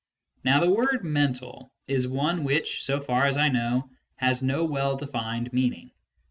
Now the word "mental" is one which, so far as I know, has no well defined meaning.